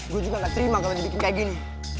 gue juga gak terima kalau dibikin kayak gini